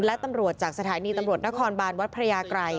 และตำรวจจากสถานีตำรวจนครบานวัดพระยากรัย